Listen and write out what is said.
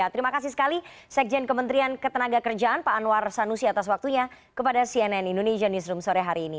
terima kasih sekali sekjen kementerian ketenaga kerjaan pak anwar sanusi atas waktunya kepada cnn indonesia newsroom sore hari ini